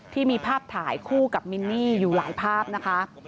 ที่มีภาพถ่ายคู่กับมินนี่อยู่หลายภาพนะคะ